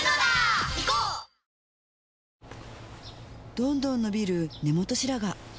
どんどん伸びる根元白髪